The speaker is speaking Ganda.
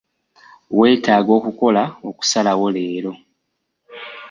Wetaaga okukola okusalawo leero.